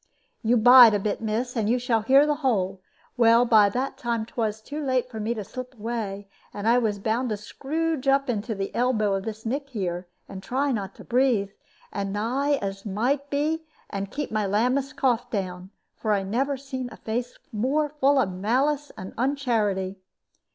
"You bide a bit, miss, and you shall hear the whole. Well, by that time 'twas too late for me to slip away, and I was bound to scrooge up into the elbow of this nick here, and try not to breathe, as nigh as might be, and keep my Lammas cough down; for I never see a face more full of malice and uncharity.